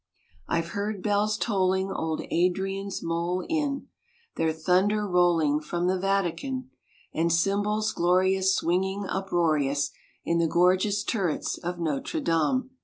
I've heard bells tolling old Adrian's Mole in, Their thunder rolling from the Vatican; And cymbals glorious swinging uproarious In the gorgeous turrets of Notre Dame.